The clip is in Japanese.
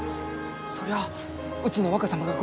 そりゃあうちの若様がご迷惑を。